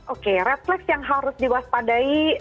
oke red flag yang harus diwaspadai